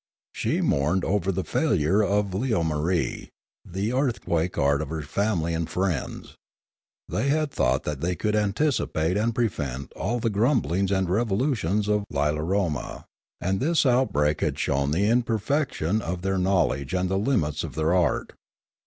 She mourned over the failure of Leomarie, the earthquake art of her family and friends. They had thought that they could anticipate and prevent all the grumblings and revolutions of Lilaroma, and this outbreak had shown the imperfection of their know ledge and the limits of their art.